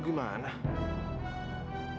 di mana sekarang